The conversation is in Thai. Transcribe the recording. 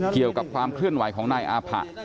เกี่ยวกับความเคลื่อนไหวของนายอาผะ